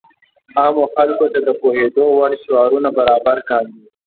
عامو خلکو ته د پوهېدو وړ شعارونه برابر کاندي.